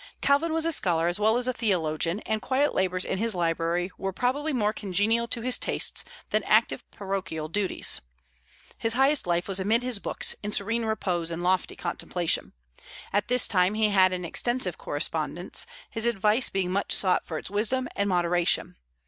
Calvin was a scholar as well as theologian, and quiet labors in his library were probably more congenial to his tastes than active parochial duties. His highest life was amid his books, in serene repose and lofty contemplation. At this time he had an extensive correspondence, his advice being much sought for its wisdom and moderation.